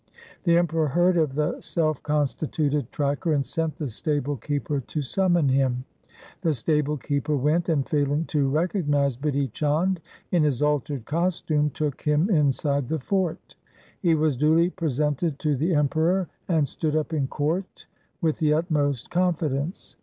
The Emperor heard of the self constituted tracker and sent the stable keeper to summon him. The stable keeper went, and failing to recognize Bidhi Chand in his altered costume, took him inside the fort. He was duly presented to the Emperor, and stood up in court with the utmost confi dence.